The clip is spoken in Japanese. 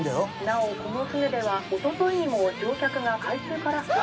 なおこの船では一昨日にも乗客が海中から。